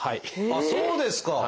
あっそうですか。